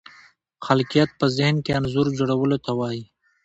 خلاقیت په ذهن کې انځور جوړولو ته وایي.